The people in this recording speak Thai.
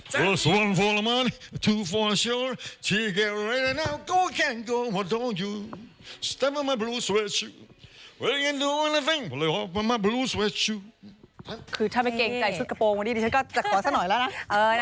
คือถ้าไม่เกรงใจชุดกระโปรงวันนี้ดิฉันก็จะขอสักหน่อยแล้วนะ